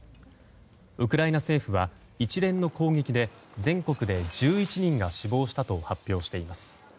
ウクライナ政府は一連の攻撃で全国で１１人が死亡したと発表しています。